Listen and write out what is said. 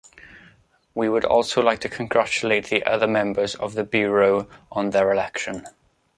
We would also like to congratulate the other members of the Bureau on their election.